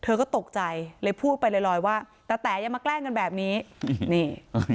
เธอก็ตกใจเลยพูดไปลอยลอยว่าตะแต๋อย่ามาแกล้งกันแบบนี้นี่